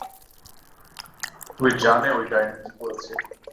তুমি জানে ওই ডাইনি কি করেছে?